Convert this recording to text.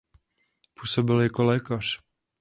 Působil jako lékař.